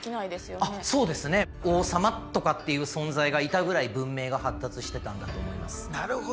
王様とかっていう存在がいたぐらい文明が発達してたんだと思います。